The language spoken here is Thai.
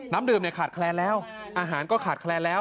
น้ำดื่มเนี่ยขาดแคลนแล้วอาหารก็ขาดแคลนแล้ว